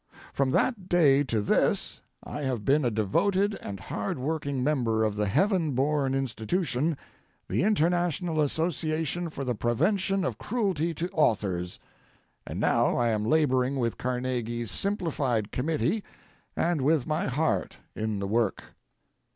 From that day to this I have been a devoted and hard working member of the heaven born institution, the International Association for the Prevention of Cruelty to Authors, and now I am laboring with Carnegie's Simplified Committee, and with my heart in the work....